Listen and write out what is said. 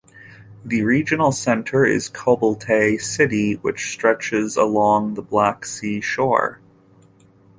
The Regional centre is Kobuleti City, which stretches along the Black Sea shore.